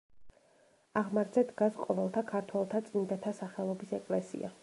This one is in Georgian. აღმართზე დგას ყოველთა ქართველთა წმიდათა სახელობის ეკლესია.